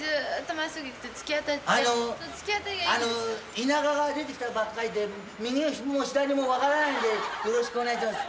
田舎から出てきたばっかりで右も左も分からないんでよろしくお願いします。